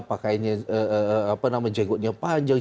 pakaian yang jenggotnya panjang